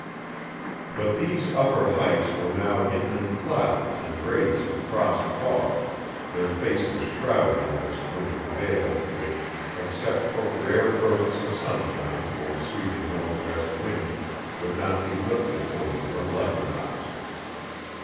But these upper heights were now hidden in clouds and wraiths of frost fog, their faces shrouded in this winter veil which except for rare bursts of sunshine or sweeping northwest wind would not be lifted till the vernal equinox.